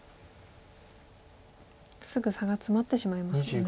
すぐ差が詰まってしまいますよね。